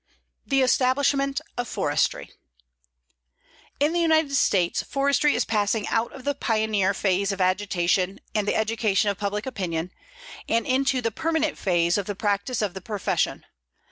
THE ESTABLISHMENT OF FORESTRY In the United States, forestry is passing out of the pioneer phase of agitation and the education of public opinion, and into the permanent phase of the practice of the profession.